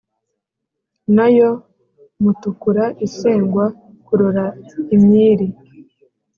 nayo mutukura isengwa kurora imyiri.